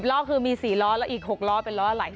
ล้อคือมี๔ล้อแล้วอีก๖ล้อเป็นล้อไหล